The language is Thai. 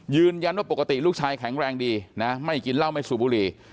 ยืนยันว่าปกติลูกชายแข็งแรงดีนะไม่กินเหล้าไม่สูบบุหรี่